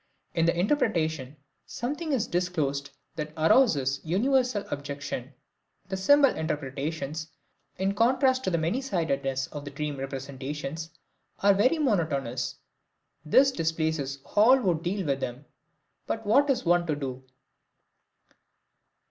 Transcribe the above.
In the interpretation something is disclosed that arouses universal objection. The symbol interpretations, in contrast to the many sidedness of the dream representations, are very monotonous this displeases all who deal with them; but what is one to do?